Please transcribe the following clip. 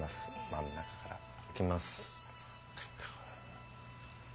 真ん中からいきます。